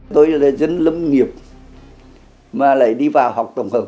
tôi là dân lâm nghiệp mà lại đi vào học tổng hợp